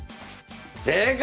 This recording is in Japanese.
正解！